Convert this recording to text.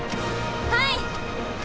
はい！